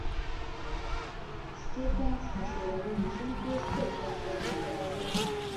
سټېفنس په شوروي رژیم کې ستر ظرفیت لیدلی و